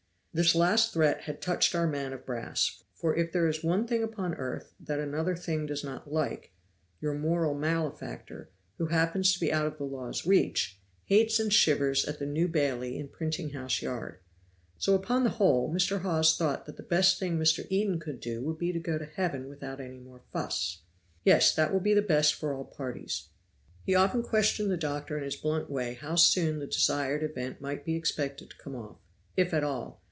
This last threat had touched our man of brass; for if there is one thing upon earth that another thing does not like, your moral malefactor, who happens to be out of the law's reach, hates and shivers at the New Bailey in Printing house Yard. So, upon the whole, Mr. Hawes thought that the best thing Mr. Eden could do would be to go to heaven without any more fuss. "Yes, that will be the best for all parties." He often questioned the doctor in his blunt way how soon the desired event might be expected to come off, if at all.